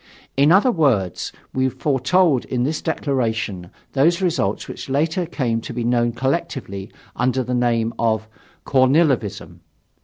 In other words, we foretold in this declaration those results which later came to be known collectively under the name of "Kornilovism."